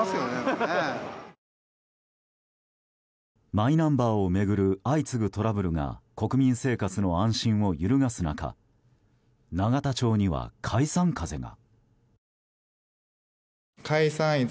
マイナンバーを巡る相次ぐトラブルが国民生活の安心を揺るがす中永田町には、解散風が。